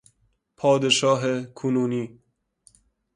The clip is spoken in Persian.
پادشاه کنونی